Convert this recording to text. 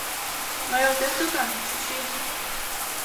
— Ноялтеш докан, чӱчӱ?